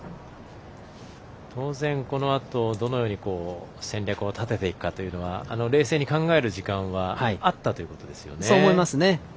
当然このあと、どのように戦略を立てていくかというのは冷静に考えていく時間があったということですよね。